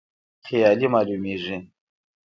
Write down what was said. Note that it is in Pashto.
خیالي معلومیږي.